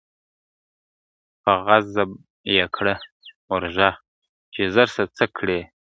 په غضب یې کړه ور ږغ چي ژر سه څه کړې !.